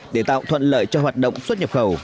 để tạo thuận lợi cho hoạt động xuất nhập khẩu